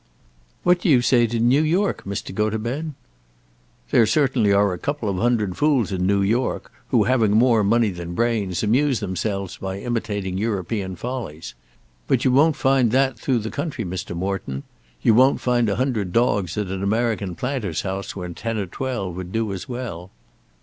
"What do you say to New York, Mr. Gotobed?" "There certainly are a couple of hundred fools in New York, who, having more money than brains, amuse themselves by imitating European follies. But you won't find that through the country, Mr. Morton. You won't find a hundred dogs at an American planter's house when ten or twelve would do as well."